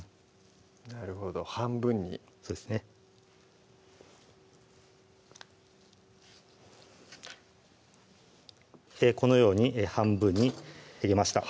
なるほど半分にそうですねこのように半分にへぎました